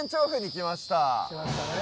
来ましたね。